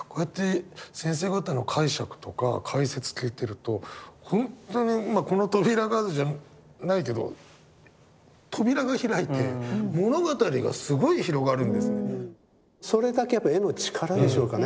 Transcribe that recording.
こうやって先生方の解釈とか解説聞いてると本当にこの扉がじゃないけどそれだけやっぱ絵の力でしょうかね。